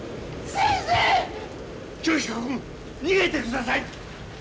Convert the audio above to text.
清彦君逃げてください！